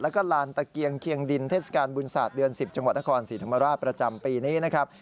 แล้วก็ลานตะเกียงเคียงดินเทศกาลบุญศาสตร์เดือน๑๐จังหวัดนครศรีธรรมราชประจำปีนี้นะครับ